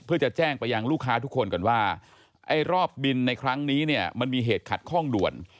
เพื่อจะแจ้งไปยังลูกค้าทุกคนก่อนว่าไอ้รอบบินในครั้งนี้เนี่ยมันมีเหตุขัดข้องด่วน